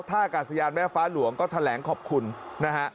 ท่ากาศยานแม่ฟ้าหลวงก็แถลงขอบคุณนะฮะ